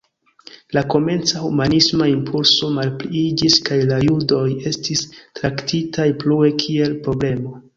La komenca humanisma impulso malpliiĝis kaj la judoj estis traktitaj plue kiel „problemo”.